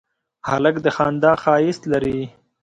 هلک د خندا ښایست لري.